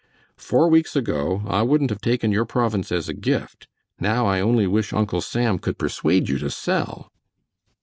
"Four weeks ago I wouldn't have taken your province as a gift. Now I only wish Uncle Sam could persuade you to sell."